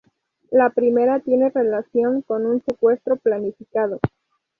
La primera tiene relación con un secuestro planificado.